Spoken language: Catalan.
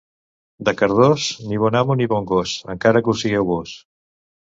De Cardós, ni bon amo ni bon gos, encara que ho sigueu vós.